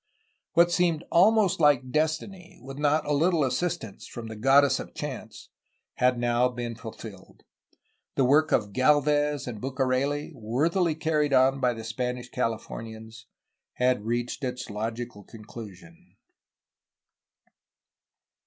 What seemed almost like destiny, with not a little assistance from the goddess of chance, had now been fulfilled. The work of Gdlvez and BucareU, worthily carried on by the Spanish Californians, had reached its logical conclusion.